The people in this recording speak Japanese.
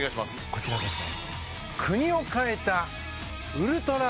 こちらですね。